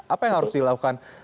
apa yang harus dilakukan